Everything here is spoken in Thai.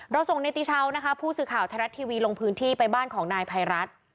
ส่งในติชาวนะคะผู้สื่อข่าวไทยรัฐทีวีลงพื้นที่ไปบ้านของนายภัยรัฐ